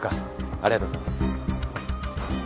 ありがとうございます。